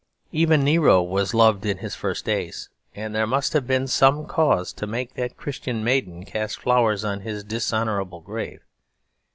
Even Nero was loved in his first days: and there must have been some cause to make that Christian maiden cast flowers on his dishonourable grave.